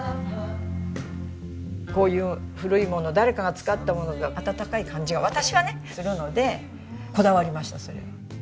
こういう古いもの誰かが使ったものが温かい感じが私はねするのでこだわりましたそれは。